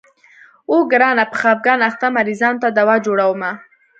اوو ګرانه په خفګان اخته مريضانو ته دوا جوړومه.